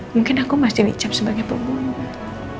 mungkin aku masih licap sebagai pembunuh